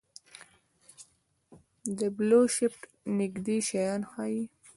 د بلوشفټ نږدې شیان ښيي.